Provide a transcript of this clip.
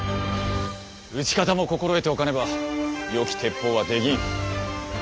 撃ち方も心得ておかねば良き鉄砲は出来ん。